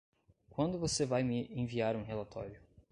Quando você vai me enviar um relatório?